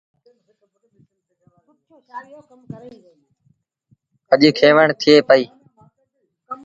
اَڄ کينوڻ ٿئي پئيٚ۔